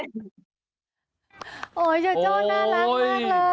โอ้ยโจโจน่ารักมากเลย